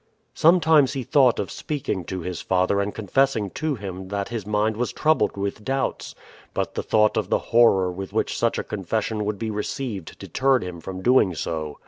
Sometimes he thought of speaking to his father and confessing to him that his mind was troubled with doubts, but the thought of the horror with which such a confession would be received deterred him from doing so.